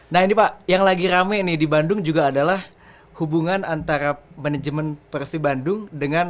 nah ini pak yang lagi rame nih di bandung juga adalah hubungan antara manajemen persib bandung dengan